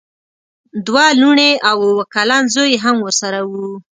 دوه لوڼې او اوه کلن زوی یې هم ورسره وو.